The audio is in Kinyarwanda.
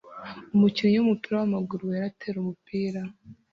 umukinyi wumupira wamaguru wera atera umupira